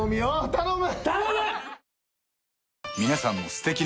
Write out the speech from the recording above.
頼む！